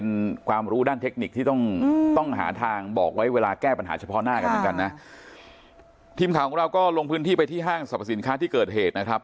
เนี้ยทีมข่าวของเราก็ลงพื้นที่ไปที่ห้างสรรพสินค้าที่เกิดเหตุนะครับ